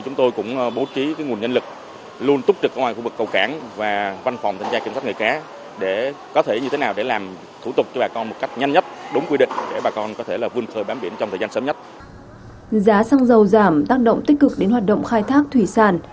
giá xăng dầu giảm tác động tích cực đến hoạt động khai thác thủy sản